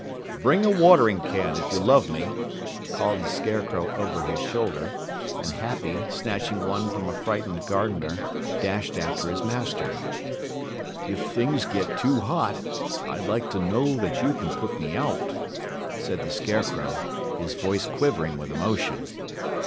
"Bring a watering can, if you love me," called the Scarecrow over his shoulder, and Happy, snatching one from a frightened gardener, dashed after his Master. "If things get too hot, I'd like to know that you can put me out," said the Scarecrow, his voice quivering with emotion.